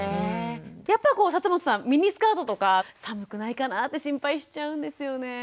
やっぱり本さんミニスカートとか寒くないかなって心配しちゃうんですよね。